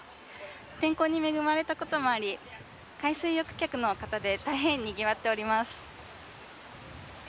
天候に恵まれたこともあり海水浴客の方で大変にぎわっております。